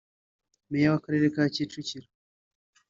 Meya w’Akarere ka Kicukiro